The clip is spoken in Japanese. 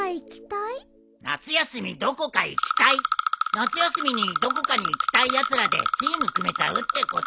夏休みにどこかに行きたいやつらでチーム組めちゃうってことだよ。